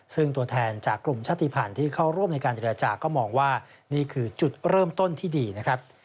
ซึ่งตัวแทนจากกลุ่มชาติภัณฑ์ที่เข้าร่วมในการเจรจาก็มองว่านี่คือจุดเริ่มต้นที่ดีนะครับ